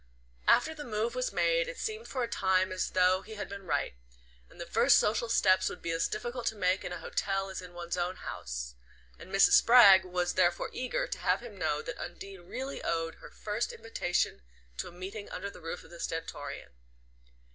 After the move was made it seemed for a time as though he had been right, and the first social steps would be as difficult to make in a hotel as in one's own house; and Mrs. Spragg was therefore eager to have him know that Undine really owed her first invitation to a meeting under the roof of the Stentorian.